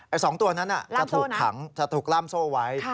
๒ตัวนั้นจะถูกขังจะถูกล่ามโซ่ไว้